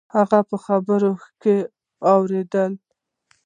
هغه په خبرو کښې راولويد.